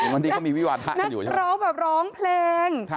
วันนี้ก็มีวิวาทะกันอยู่ใช่ไหมร้องแบบร้องเพลง